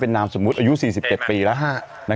เป็นนามสมมุติอายุ๔๗ปีละ